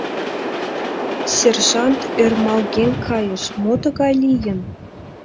Сержант ӧрмалген кайыш: «Мо тыгай лийын?»